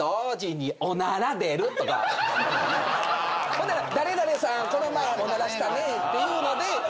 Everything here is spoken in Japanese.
ほんで「誰々さんこの前おならしたね」っていうので。